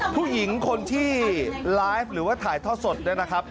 ผู้หญิงคนที่ไลฟ์หรือว่าถ่ายทอดสดเนี่ยนะครับ